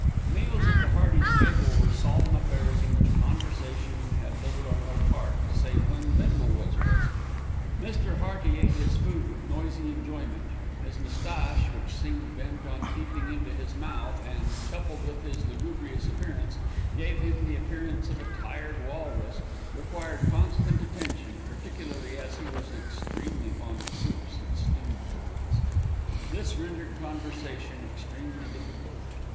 Meals at the Heartys' table were solemn affairs in which conversation had little or no part, save when Bindle was present. Mr. Hearty ate his food with noisy enjoyment. His moustache, which seemed bent on peeping into his mouth and, coupled with his lugubrious appearance, gave him the appearance of a tired walrus, required constant attention, particularly as he was extremely fond of soups and stewed foods. This rendered conversation extremely difficult.